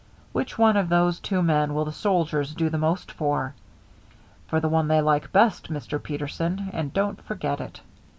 Which one of those two men will the soldiers do the most for? For the one they like best, Mr. Peterson, and don't forget it.